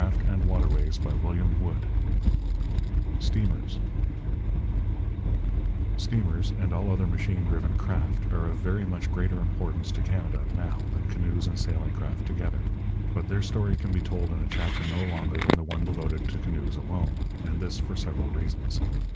CHAPTER VIII STEAMERS Steamers and all other machine driven craft are of very much greater importance to Canada now than canoes and sailing craft together. But their story can be told in a chapter no longer than the one devoted to canoes alone; and this for several reasons.